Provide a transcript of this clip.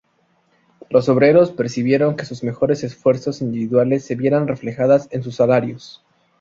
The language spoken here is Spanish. Los obreros percibieron que sus mejores esfuerzos individuales se vieran reflejadas en sus salarios.